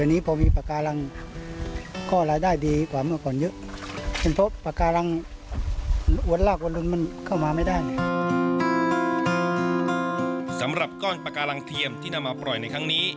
สำหรับก้อนปากาลังเทียมที่นำมาปล่อยในครั้งนี้